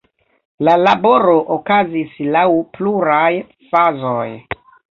La laboro okazis laŭ pluraj fazoj.